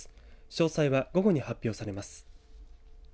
詳細は午後に発表されます。